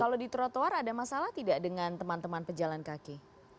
kalau di trotoar ada masalah tidak dengan teman teman pejalan kaki